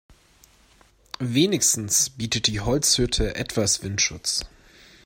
Wenigstens bietet die Holzhütte etwas Windschutz.